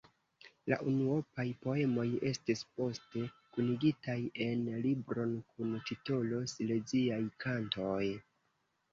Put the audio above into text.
La unuopaj poemoj estis poste kunigitaj en libron kun titolo "Sileziaj kantoj".